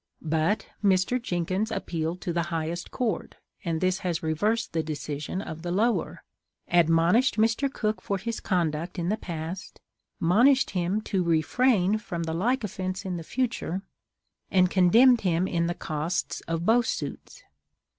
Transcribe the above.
But Mr. Jenkins appealed to the highest court, and this has reversed the decision of the lower, admonished Mr. Cook for his conduct in the past, monished him to refrain from the like offence in future, and condemned him in the costs of both suits.